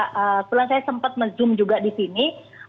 sebelumnya saya sempat men zoom juga di sini